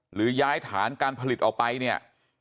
หรือย้ายฐานการผลิตออกไป